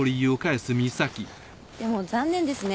でも残念ですね。